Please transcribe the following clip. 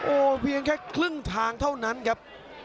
โอ้โหเพียงแค่ครึ่งทางเท่านั้นครับ